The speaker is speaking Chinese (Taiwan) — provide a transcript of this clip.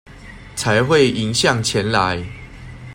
才會迎向前來